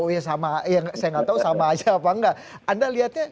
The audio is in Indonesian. ya saya enggak tahu sama aja apa enggak